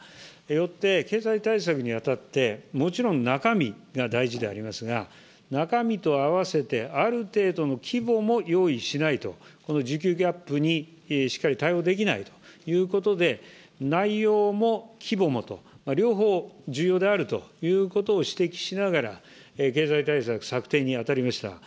よって、経済対策にあたって、もちろん中身が大事でありますが、中身と合わせてある程度の規模も用意しないと、この需給ギャップにしっかり対応できないということで、内容も規模もと、両方重要であるということを指摘しながら、経済対策策定に当たりました。